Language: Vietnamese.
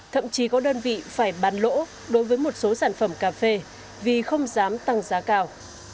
thậm chí có đơn vị phải bán lỗ đối với một số sản phẩm cà phê vì không dám tăng giá cao